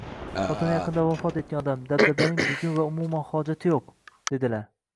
Xotini yaqinda vafot etgan odam, dabdabaning bugun va umuman hojati yo'q, — dedilar.